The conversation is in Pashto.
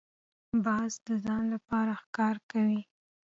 باز د ځان لپاره ښکار کوي